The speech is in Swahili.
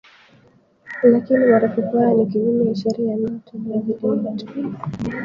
lakini marufuku haya ni kinyume ya sheria yanatolewa dhidi yetu